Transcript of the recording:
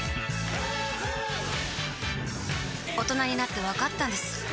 大人になってわかったんです